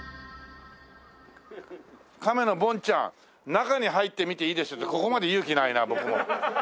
「中に入って見ていいですよ」ってここまで勇気ないな僕も。